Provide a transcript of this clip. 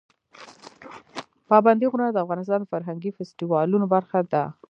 پابندي غرونه د افغانستان د فرهنګي فستیوالونو برخه ده.